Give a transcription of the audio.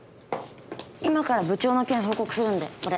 今から部長の件報告するんでこれ。